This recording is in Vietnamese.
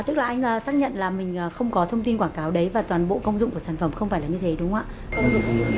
tức là anh xác nhận là mình không có thông tin quảng cáo đấy và toàn bộ công dụng của sản phẩm không phải là như thế đúng không ạ